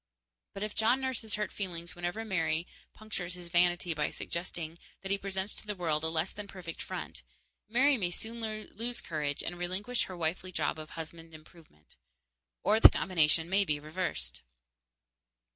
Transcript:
But if John nurses hurt feelings whenever Mary punctures his vanity by suggesting that he presents to the world a less than perfect front, Mary may soon lose courage and relinquish her wifely job of husband improvement. Or the combination may be reversed.